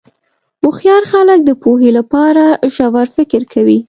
هوښیار خلک د پوهې لپاره ژور فکر کوي.